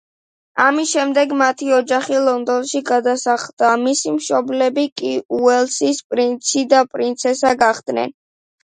ამის შემდეგ მათი ოჯახი ლონდონში გადასახლდა, მისი მშობლები კი უელსის პრინცი და პრინცესა გახდნენ.